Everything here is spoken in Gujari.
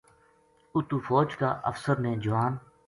اُتو فوج کا افسر نے جوان